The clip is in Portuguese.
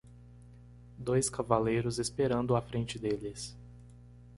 dois cavaleiros esperando à frente deles.